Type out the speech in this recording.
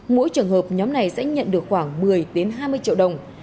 mỗi trường hợp nhóm này sẽ nhận được khoảng một mươi hai mươi triệu đồng